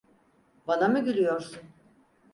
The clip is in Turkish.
Bana mı gülüyorsun?